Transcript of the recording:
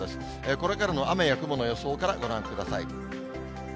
これからの雨や雲の予想からご覧ください。